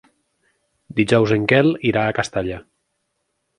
Dijous en Quel irà a Castalla.